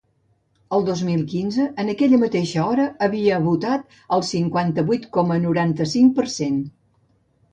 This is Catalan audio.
El dos mil quinze, en aquella mateixa hora havia votat el cinquanta-vuit coma noranta-cinc per cent.